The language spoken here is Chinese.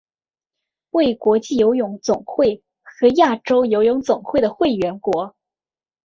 为国际游泳总会和亚洲游泳总会的会员国。